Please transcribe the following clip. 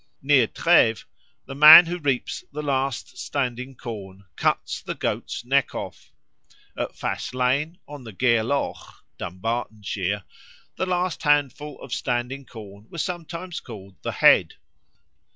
Near Trèves, the man who reaps the last standing corn "cuts the goat's neck off." At Faslane, on the Gareloch (Dumbartonshire), the last handful of standing corn was sometimes called the "head."